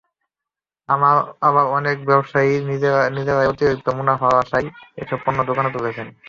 আবার অনেক ব্যবসায়ী নিজেরাই অতিরিক্ত মুনাফার আশায় এসব পণ্য দোকানে তুলেছেন।